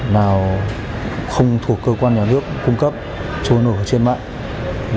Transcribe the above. nào không thuộc cơ quan nhà nước cung cấp trôi nổ trên mạng